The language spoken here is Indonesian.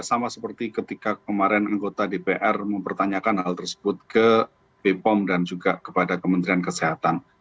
sama seperti ketika kemarin anggota dpr mempertanyakan hal tersebut ke bepom dan juga kepada kementerian kesehatan